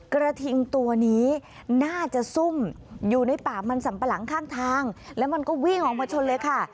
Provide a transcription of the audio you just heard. กระทิงตัวนี้น่าจะซุ่มอยู่ในป่ามันสัมปะหลังข้างทางแล้วมันก็วิ่งออกมาชนเลยค่ะ